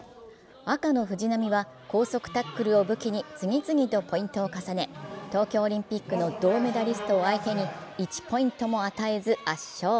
赤の藤波は高速タックルを武器に次々とポイントを重ね、東京オリンピックの銅メダリストを相手に１ポイントも与えず圧勝。